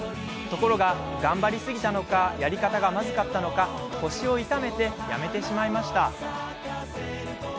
ところが、頑張りすぎたのかやり方がまずかったのか腰を痛めてやめてしまいました。